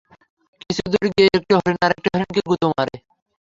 কিছুদূর গিয়ে একটি হরিণ আরেকটি হরিণকে গুতো মারে।